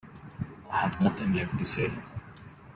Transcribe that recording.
I have nothing left to say.